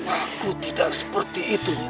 aku tidak seperti itu nyi nawang